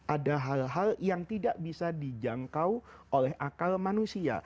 ada hal hal yang tidak bisa dijangkau oleh akal manusia